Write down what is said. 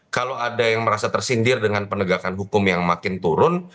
kalau ada yang merasa tersindir dengan penegakan hukum yang makin turun